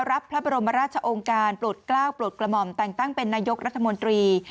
รับพระบรมราชองการปลูดกล้าวปลูดกลมอมตั้งเป็นนายกรัฐมนตรี